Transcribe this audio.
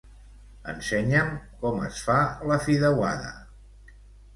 Ensenya'm com es fa la fideuada.